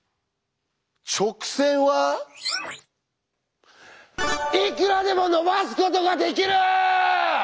「直線はいくらでも延ばすことができる」！